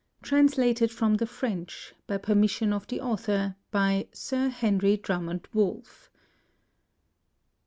I. TRANSLATED FROM THE FRENCH, BY PERMISSION OF THE AUTHOR, BY SIR HENRY DRUMMOND WOLFF K.